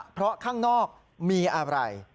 เพราะข้างนอกมีอะไร